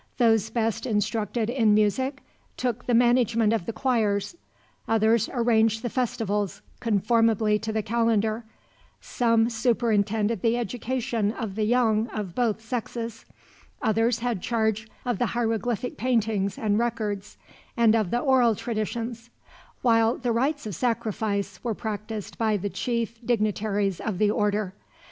Those best instructed in music took the management of the choirs, others arranged the festivals conformably to the calendar, some superintended the education of the young of both sexes, others had charge of the hieroglyphic paintings and records and of the oral traditions, while the rites of sacrifice were practiced by the chief dignitaries of the order.